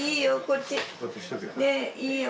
いいよ